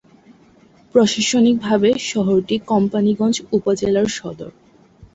প্রশাসনিকভাবে শহরটি কোম্পানীগঞ্জ উপজেলার সদর।